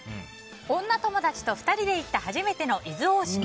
女友達と２人で行った初めての伊豆大島。